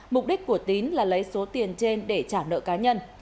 mục đích của tín là lấy số tiền trên để trả nợ cá nhân